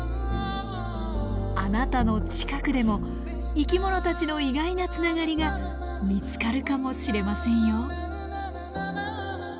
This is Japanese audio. あなたの近くでも生き物たちの意外なつながりが見つかるかもしれませんよ。